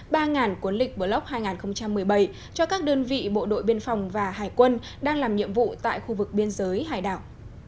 bộ đội biên phòng và hải quân đang làm nhiệm vụ tại khu vực biên giới hải đảo